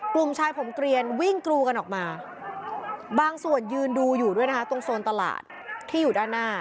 กลุ่มชายผมเกลียนวิ่งกรูกันออกมาบางส่วนยืนดูอยู่ด้วยนะคะตรงโซนตลาดที่อยู่ด้านหน้า